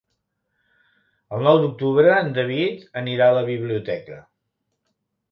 El nou d'octubre en David anirà a la biblioteca.